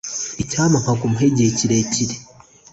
Icyampa nkagumaho igihe kirekire